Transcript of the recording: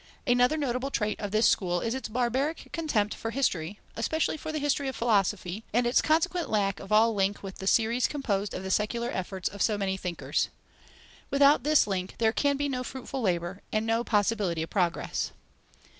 Another notable trait of this school is its barbaric contempt for history, especially for the history of philosophy, and its consequent lack of all link with the series composed of the secular efforts of so many thinkers. Without this link, there can be no fruitful labour and no possibility of progress.